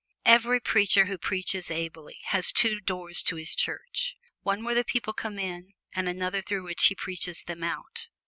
Every preacher who preaches ably has two doors to his church one where the people come in and another through which he preaches them out.